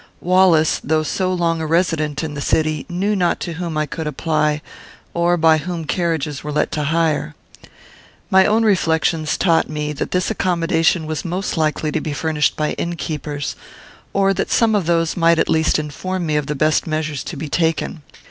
Wallace, though so long a resident in the city, knew not to whom I could apply, or by whom carriages were let to hire. My own reflections taught me, that this accommodation was most likely to be furnished by innkeepers, or that some of those might at least inform me of the best measures to be taken.